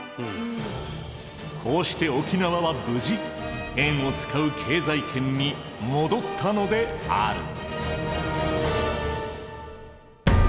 こうして沖縄は無事円を使う経済圏に戻ったのである。